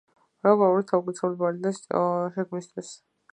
როკ-ოპერის „თავფარავნელის ბალადა“ შექმნისთვის.